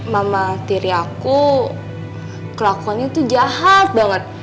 mama tiryaku kelakuannya tuh jahat banget